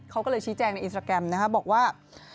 เขาก็เลยชี้แจงในอินสตราแกรมนะครับบอกว่า